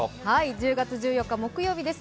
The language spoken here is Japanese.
１０月１４日木曜日です。